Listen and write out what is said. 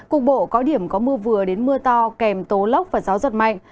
cục bộ có điểm có mưa vừa đến mưa to kèm tố lốc và gió giật mạnh